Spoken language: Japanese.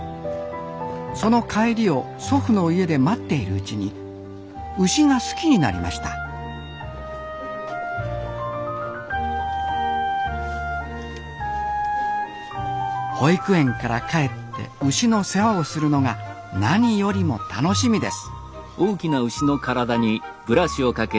その帰りを祖父の家で待っているうちに牛が好きになりました保育園から帰って牛の世話をするのが何よりも楽しみです